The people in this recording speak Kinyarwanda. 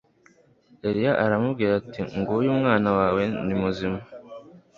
Eliya aramubwira ati Nguyu uwana wawe ni muzima